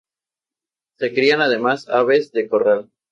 Se crían además aves de corral.